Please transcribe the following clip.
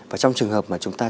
và trong trường hợp mà chúng ta